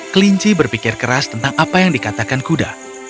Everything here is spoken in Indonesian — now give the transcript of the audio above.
kelinci berpikir keras tentang apa yang dikatakan kuda